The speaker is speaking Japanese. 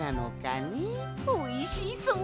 おいしそう。